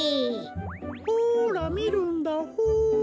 ほらみるんだホー。